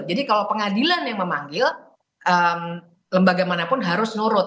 jadi kalau pengadilan yang memanggil lembaga manapun harus nurut